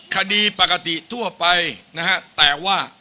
คดีปกติทั่วไปนะฮะแต่ว่า